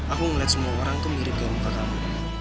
aku ngeliat semua orang tuh mirip kayak muka kamu